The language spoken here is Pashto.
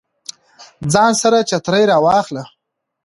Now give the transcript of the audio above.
ځان سره چترۍ راواخله